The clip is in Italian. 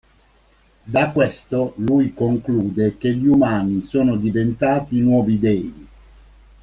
Da questo, lui conclude che gli umani sono diventati i nuovi dèi.